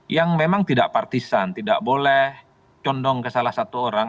yang memang tidak partisan tidak boleh condong ke salah satu orang